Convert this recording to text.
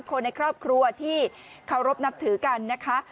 คนในครอบครัวที่เคารพนับถือกันนะคะ